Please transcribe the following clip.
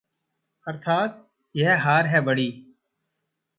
अर्थात्: यह हार है बड़ी